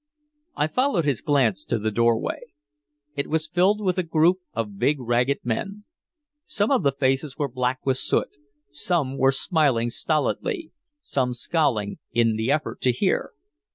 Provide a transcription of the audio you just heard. I followed his glance to the doorway. It was filled with a group of big ragged men. Some of the faces were black with soot, some were smiling stolidly, some scowling in the effort to hear.